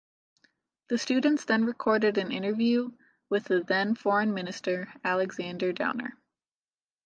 The students then recorded an interview with the then Foreign Minister Alexander Downer.